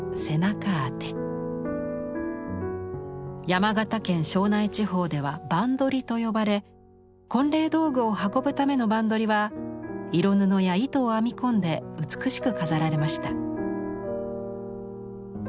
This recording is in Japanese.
山形県庄内地方では「ばんどり」と呼ばれ婚礼道具を運ぶためのばんどりは色布や糸を編み込んで美しく飾られました。